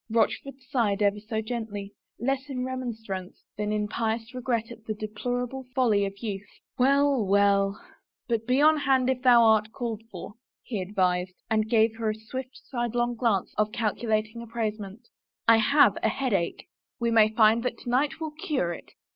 Rochford sighed ever so gently, less in remonstrance than in pious regret at the deplorable folly of youth. " Well, well — but be on hand if thou art called for," he advised, and gave her a swift, sidelong glance of calculating appraisement. " I have a headache." " We may find that to night will cure it."